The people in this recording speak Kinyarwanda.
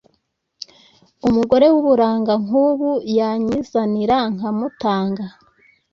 umugore wuburanga nkubu yanyizanira nkamutanga ?